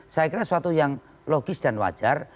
saya kira suatu yang logis dan wajar